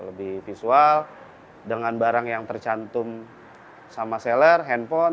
lebih visual dengan barang yang tercantum sama seller handphone